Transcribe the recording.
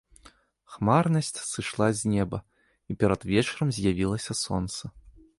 Хмарнасць сышла з неба, і перад вечарам з'явілася сонца.